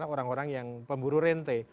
orang orang yang pemburu rente